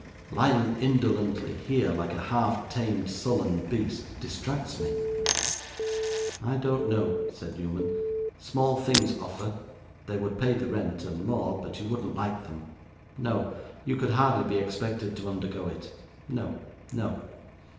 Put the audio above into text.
Lying indolently here, like a half tamed sullen beast, distracts me.' 'I don't know,' said Newman; 'small things offer they would pay the rent, and more but you wouldn't like them; no, you could hardly be expected to undergo it no, no.